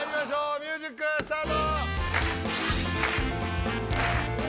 ミュージックスタート！